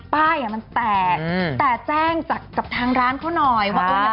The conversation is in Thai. ป้ายมันแตกแต่แจ้งจากกับทางร้านเขาหน่อยว่า